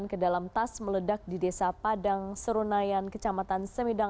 berikutnya sandari kosong selalu saya mandakan